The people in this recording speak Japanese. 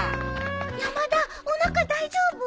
山田おなか大丈夫？